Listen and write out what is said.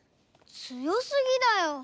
強すぎだよ。